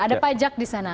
ada pajak disana